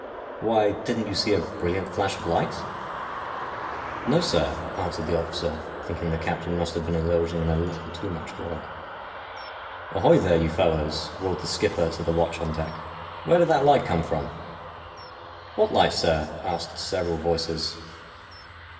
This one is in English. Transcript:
' Why, didn't you see a brilliant flash of light ?' 'No, sir,' answered the officer, thinking the captain must have been indulging in a little too much grog. ' Ahoy, there, you fellows,' roared the skipper to the watch on deck, ' where did that light come from ?'' What light, sir ?' asked several voices.